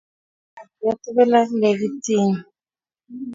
tinyei naet ap kei tukul ak chelekityini